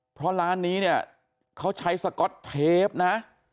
เพราะร้านนี้เนี่ยเขาใช้สก๊อตเทปนะ